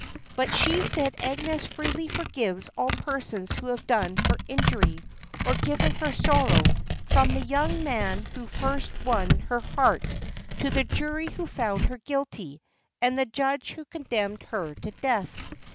But the said Agnes freely forgives all persons who have done her injury, or given her sorrow, from the young man who first won her heart to the jury who found her guilty, and the judge who condemned her to death.